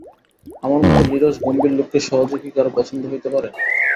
আমার মতো নীরস গম্ভীর লোককে সহজে কি কারো পছন্দ হইতে পারে।